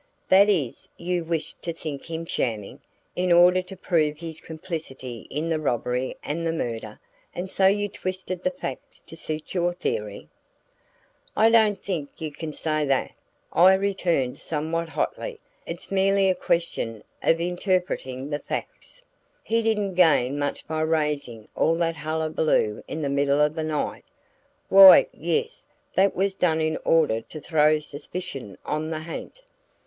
"That is, you wished to think him shamming, in order to prove his complicity in the robbery and the murder; and so you twisted the facts to suit your theory?" "I don't think you can say that," I returned somewhat hotly. "It's merely a question of interpreting the facts." "He didn't gain much by raising all that hullabaloo in the middle of the night." "Why yes, that was done in order to throw suspicion on the ha'nt."